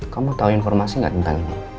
kamu tahu informasi nggak tentang ini